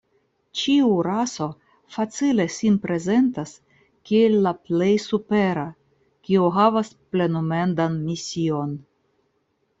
Ĉiu raso facile sin prezentas kiel la plej supera, kiu havas plenumendan mision.